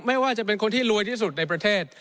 ไม่ว่าจะเป็นคนที่รวยที่สุดในประเทศ